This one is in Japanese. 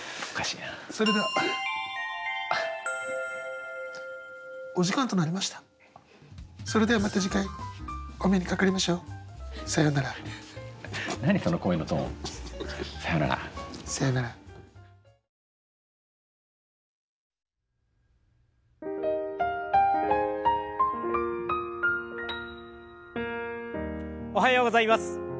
おはようございます。